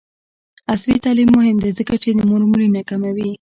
عصري تعلیم مهم دی ځکه چې د مور مړینه کموي.